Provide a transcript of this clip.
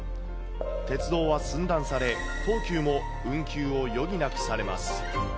鉄道は寸断され、東急も運休を余儀なくされます。